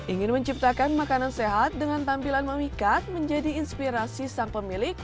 ingin menciptakan makanan sehat dengan tampilan memikat menjadi inspirasi sang pemilik